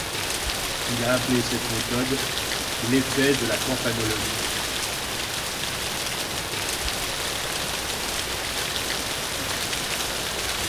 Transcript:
Il a appelé cette méthode “l’effect de la campanologie”.